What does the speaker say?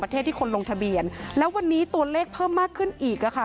ที่คนลงทะเบียนแล้ววันนี้ตัวเลขเพิ่มมากขึ้นอีกอะค่ะ